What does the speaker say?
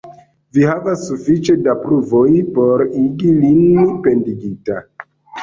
Vi havas sufiĉe da pruvoj por igi lin pendigita.